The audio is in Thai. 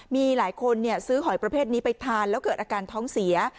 มีหลายคนซื้อหอยประเภทนี้ไปทานแล้วเกิดอาการท้องเสีย